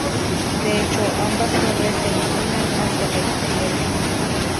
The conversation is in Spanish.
De hecho, ambas torres se inclinan hacia la izquierda.